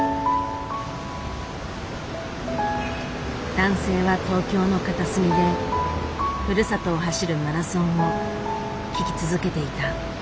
男性は東京の片隅でふるさとを走るマラソンを聞き続けていた。